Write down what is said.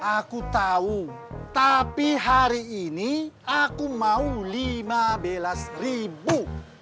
aku tahu tapi hari ini aku mau lima belas ribu